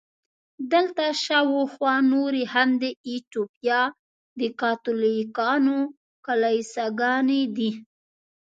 دلته شاوخوا نورې هم د ایټوپیا د کاتولیکانو کلیساګانې دي.